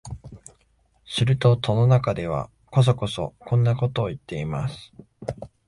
すると戸の中では、こそこそこんなことを言っています